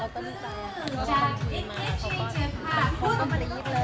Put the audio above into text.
ทุกคนก็ต้องรัก